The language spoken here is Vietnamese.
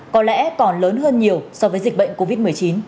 có lẽ còn lớn hơn nhiều so với dịch bệnh covid một mươi chín